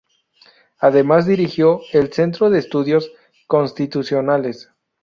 Además dirigió el Centro de Estudios Constitucionales.